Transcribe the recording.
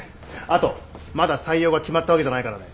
あとまだ採用が決まったわけじゃないからね。